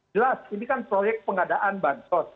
jelas ini kan proyek pengadaan bansos